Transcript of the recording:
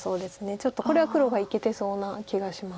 ちょっとこれは黒がいけてそうな気がします。